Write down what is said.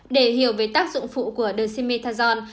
để hiểu về tác dụng phụ của dexamethasone